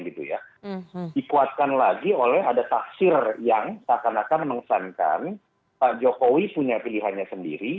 dikuatkan lagi oleh ada tafsir yang seakan akan mengesankan pak jokowi punya pilihannya sendiri